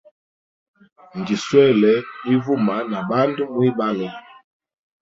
Njiswele ivuma na bandu mwibalo.